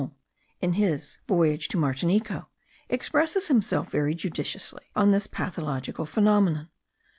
Thibaut de Chanvalon, in his Voyage to Martinico, expresses himself very judiciously on this pathological phenomenon.